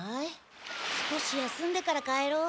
少し休んでから帰ろう。